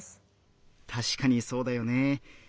たしかにそうだよね。